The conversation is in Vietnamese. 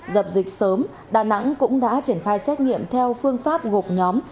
dập dịch sớm đà nẵng cũng đã triển khai xét nghiệm theo phương pháp gộp nhóm